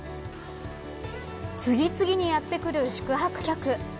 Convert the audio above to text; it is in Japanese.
次々にやって来る宿泊客。